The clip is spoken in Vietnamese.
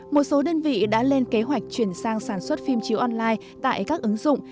một số đơn vị đã lên kế hoạch chuyển sang sản xuất phim chiếu online tại các ứng dụng